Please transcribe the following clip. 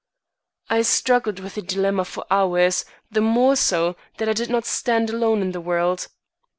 I struggled with the dilemma for hours, the more so, that I did not stand alone in the world.